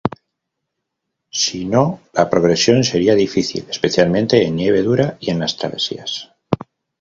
Si no, la progresión sería difícil, especialmente en nieve dura y en las travesías.